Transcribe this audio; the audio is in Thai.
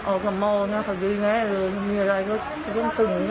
ออสัมมอต์คือดีเยอะเลยไม่มีอะไรก็ต้องถึง